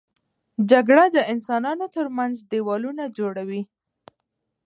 جګړه د انسانانو تر منځ دیوالونه جوړوي